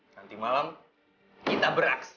nanti malam kita beraksi